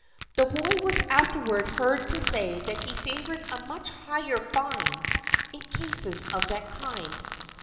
The boy was afterward heard to say that he favored a much higher fine in cases of that kind.